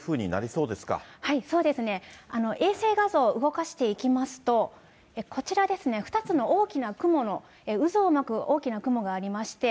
そうですね、衛星画像、動かしていきますと、こちらですね、２つの大きな雲の渦を巻く大きな雲がありまして、